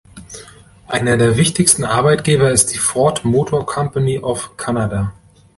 Einer der wichtigsten Arbeitgeber ist die Ford Motor Company of Canada.